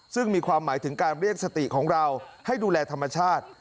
ซึ่งมีความหมายถึงการเรียกสติของเราให้ดูแลธรรมชาติ